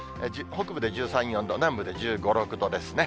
北部で１３、４度、南部で１５、６度ですね。